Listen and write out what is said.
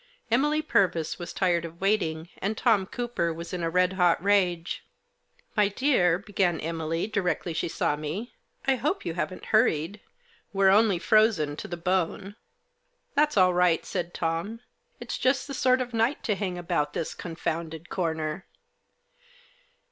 Emily Purvis was tired of waiting, and Tom Cooper was in a red hot rage. " My dear," began Emily, directly she saw me, " I hope you haven't hurried. We're only frozen to the bone." " That's all right," said Tom. " It's just the sort of night to hang about this confounded corner."